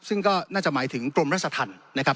ซึ่งก็น่าจะหมายถึงกรมรัชธรรมนะครับ